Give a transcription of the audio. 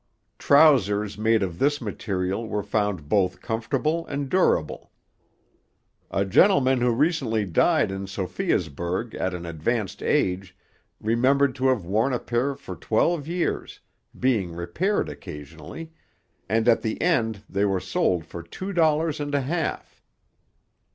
Trousers made of this material were found both comfortable and durable. 'A gentleman who recently died in Sophiasburg at an advanced age, remembered to have worn a pair for twelve years, being repaired occasionally, and at the end they were sold for two dollars and a half.'